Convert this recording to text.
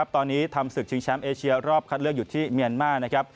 ตอนนี้ทำศึกชิงแชมป์เอเชียรอบคัดเลือกอยู่ที่เมียนมาร์นะครับ